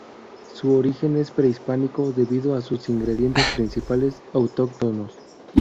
Su origen es prehispánico, debido a sus ingredientes principales autóctonos.